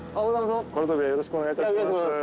このたびはよろしくお願いいたします。